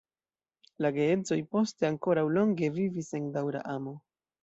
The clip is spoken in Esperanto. La geedzoj poste ankoraŭ longe vivis en daŭra amo.